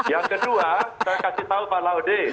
yang kedua saya kasih tahu pak laude